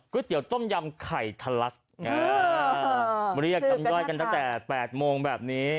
เตี๋ยวต้มยำไข่ทะลักเรียกน้ำย่อยกันตั้งแต่๘โมงแบบนี้